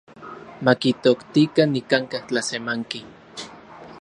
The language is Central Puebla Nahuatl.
Makitoktikan nikanka’ tlasemanki.